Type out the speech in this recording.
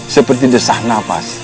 seperti desah nafas